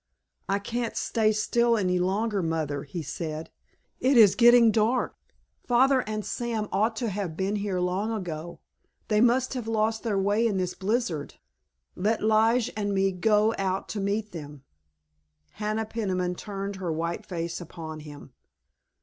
"I can't stay still any longer, Mother," he said. "It is getting dark. Father and Sam ought to have been here long ago; they must have lost their way in this blizzard. Let Lige and me go out to meet them." Hannah Peniman turned her white face upon him.